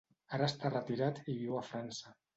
Ara està retirat i viu a França.